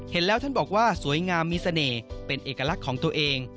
เห็นแล้วท่านบอกว่าสวยงามมีเสน่ห์เป็นเอกลักษณ์ของตัวเอง